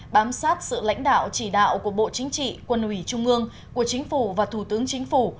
bám sát sự lãnh đạo chỉ đạo của bộ chính trị quân ủy trung ương của chính phủ và thủ tướng chính phủ